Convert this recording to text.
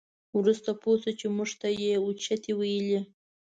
وروسته پوه شوو چې موږ ته یې اوچتې ویلې.